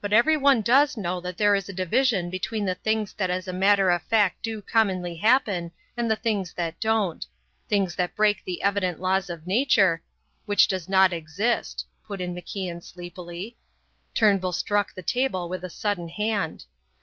But everyone does know that there is a division between the things that as a matter of fact do commonly happen and the things that don't. Things that break the evident laws of nature " "Which does not exist," put in MacIan sleepily. Turnbull struck the table with a sudden hand.